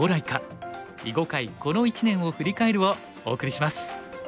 囲碁界この１年を振り返る」をお送りします。